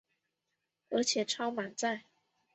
而且超满载